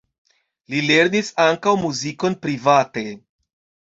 Li lernis ankaŭ muzikon private.